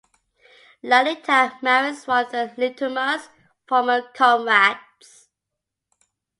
Lalita marries one of Lituma's former comrades.